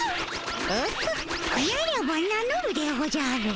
オホッならば名のるでおじゃる。